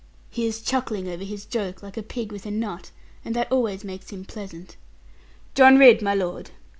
He is chuckling over his joke, like a pig with a nut; and that always makes him pleasant. John Ridd, my lord!'